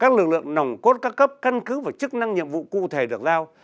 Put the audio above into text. bốn các lực lượng nồng cốt cao cấp căn cứ và chức năng nhiệm vụ cụ thể đảng giao